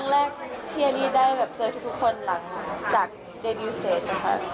ก็เป็นครั้งแรกที่อาลีได้เจอทุกคนหลังจากเดบิวเซตนะคะ